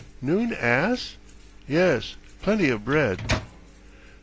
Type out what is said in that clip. "Noon ass?" "Yes, plenty of bread."